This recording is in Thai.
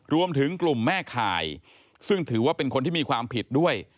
รวมถึงกลุ่มแม่ข่ายซึ่งถือว่าเป็นคนที่มีความผิดด้วย